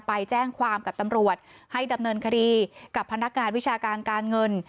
ไปแจ้งความกับตำรวจให้ดำเนินคดีกับพนักงานวิชาการการเงิน